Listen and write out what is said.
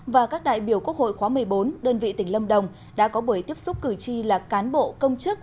và các đại biểu quốc hội khóa một mươi bốn đơn vị tỉnh lâm đồng đã có buổi tiếp xúc cử tri là cán bộ công chức